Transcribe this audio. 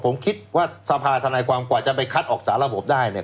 ผมคิดว่าสภาธนายความกว่าจะไปคัดออกสารระบบได้เนี่ย